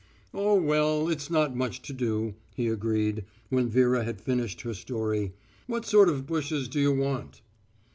"Oh, well, it's not much to do," he agreed, when Vera had finished her story. "What sort of bushes do you want?"